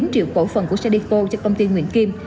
chín triệu tổ phần của sadeco cho công ty nguyễn kim